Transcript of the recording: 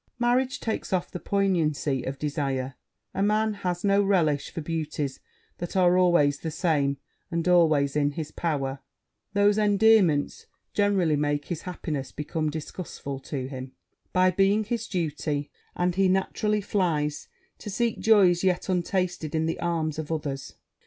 Marriage takes off the poignancy of desire: a man has no relish for beauties that are always the same, and always in his power; those endearments generally make his happiness become disgustful to him by being his duty; and he naturally flies to seek joys yet untasted, in the arms of others.